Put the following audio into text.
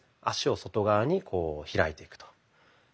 脚を外側にこう開いていくと。